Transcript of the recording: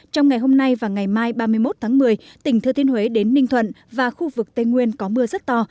trong ngày hôm nay và ngày mai ba mươi một tháng một mươi tỉnh thừa thiên huế đến ninh thuận và khu vực tây nguyên có mưa rất to